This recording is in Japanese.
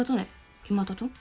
決まったと？